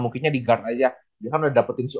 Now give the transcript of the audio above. mungkinnya di guard aja dia kan udah dapetin si